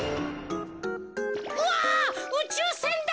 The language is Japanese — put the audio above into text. うわうちゅうせんだ！